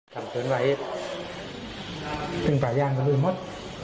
ทำคืนไว้ตึงป่ายย่างแล้วลืมหมด